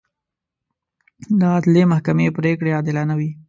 د عدلي محکمې پرېکړې عادلانه وي.